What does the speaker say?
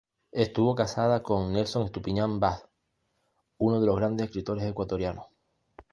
Estuvo casada con Nelson Estupiñán Bass, uno de los grandes escritores ecuatorianos.